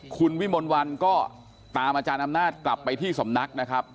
คุณวิมลวันก็ตามอาจารย์อำนาจกลับไปที่สำนักนะครับ